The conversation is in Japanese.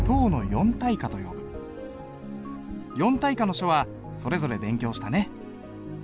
四大家の書はそれぞれ勉強したね。